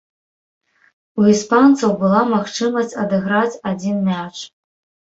У іспанцаў была магчымасць адыграць адзін мяч.